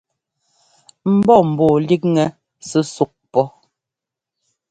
Mbɔ́ mbɔɔ líkŋɛ súsúk pɔ.